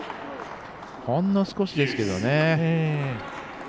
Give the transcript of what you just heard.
ほんの少しですけどね。